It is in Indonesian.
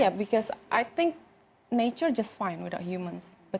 ya karena saya pikir alam tidak apa apa tanpa manusia